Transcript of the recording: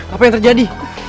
apa yang terjadi